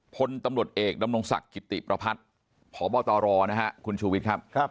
พลตำรวจเอกดำรงศักดิ์กิติประพัฒน์พบตรนะฮะคุณชูวิทย์ครับ